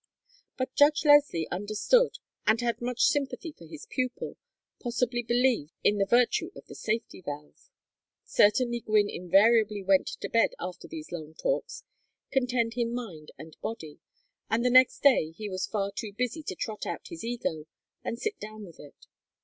But Judge Leslie understood and had much sympathy for his pupil possibly believed in the virtue of the safety valve. Certainly Gwynne invariably went to bed after these long talks content in mind and body; and the next day he was far too busy to trot out his ego and sit down with it.